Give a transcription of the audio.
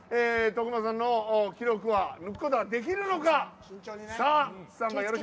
徳毛さんの記録を抜くことができるのか。